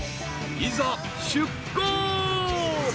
［いざ出航］